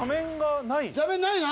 座面ないな！